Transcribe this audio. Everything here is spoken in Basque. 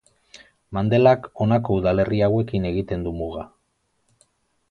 Mandelak honako udalerri hauekin egiten du muga.